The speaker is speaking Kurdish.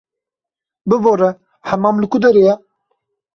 Bibore, hemam li ku derê ye?